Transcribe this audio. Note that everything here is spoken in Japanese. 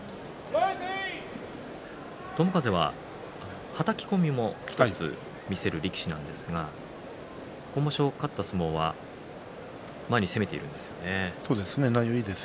友風は、はたき込みも見せる力士なんですが今場所、勝った相撲は前に攻めているんですよね。